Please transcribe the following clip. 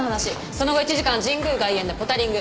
その後１時間神宮外苑でポタリング。